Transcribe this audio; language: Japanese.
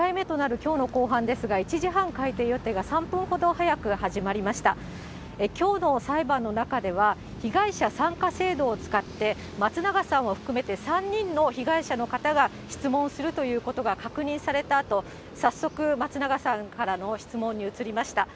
きょうの裁判の中では、被害者参加制度を使って、松永さんを含めて３人の被害者の方が質問するということが確認されたあと、早速、松永さんからの質問に移りました。